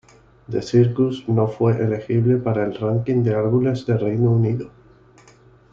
The Circus no fue elegible para el ranking de álbumes del Reino Unido.